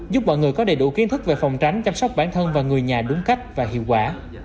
giúp mọi người có đầy đủ kiến thức về phòng tránh chăm sóc bản thân và người nhà đúng cách và hiệu quả